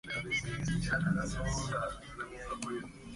El Banco forma parte de la Asociación Bancaria de Venezuela.